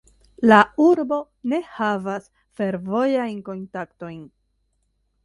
La urbo ne havas fervojajn kontaktojn.